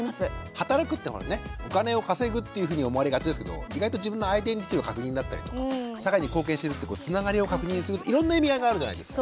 働くってねお金を稼ぐっていうふうに思われがちですけど意外と自分のアイデンティティーの確認だったりとか社会に貢献してるってつながりを確認するいろんな意味合いがあるじゃないですか。